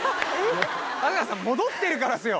春日さん戻ってるからですよ。